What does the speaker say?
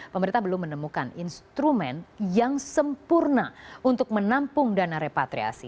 pemerintah belum menemukan instrumen yang sempurna untuk menampung dana repatriasi